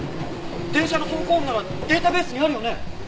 電車の走行音ならデータベースにあるよね！